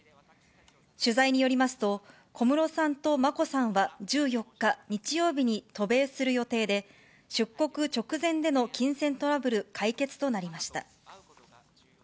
取材によりますと、小室さんと眞子さんは１４日日曜日に渡米する予定で、出国直前での金銭トラブル解決となりました。